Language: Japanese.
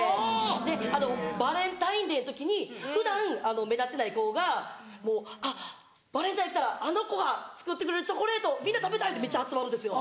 でバレンタインデーの時に普段目立ってない子がもうバレンタイン来たらあの子が作ってくれるチョコレートみんな食べたいってめっちゃ集まるんですよ。